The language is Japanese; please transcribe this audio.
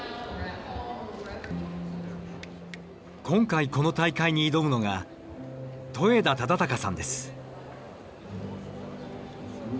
今回この大会に挑むのが戸枝忠孝さんです。